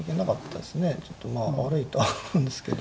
ちょっとまあ悪いとは思うんですけど。